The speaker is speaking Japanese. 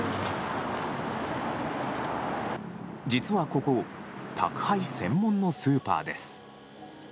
実はここ宅配専門のスーパーです。